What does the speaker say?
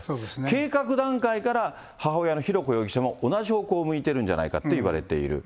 計画段階から母親の浩子容疑者も、同じ方向を向いているんじゃないかといわれている。